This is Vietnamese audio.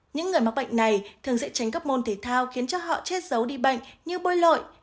những người mắc bệnh này thường dễ tránh các môn thể thao khiến cho họ chết giấu đi bệnh như bôi lội